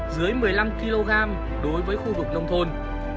dưới một mươi năm kg đối với khu vực nông thôn